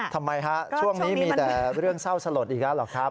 ทำไมฮะช่วงนี้มีแต่เรื่องเศร้าสลดอีกแล้วเหรอครับ